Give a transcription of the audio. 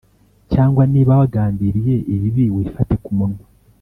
cyangwa niba wagambiriye ibibi, wifate ku munwa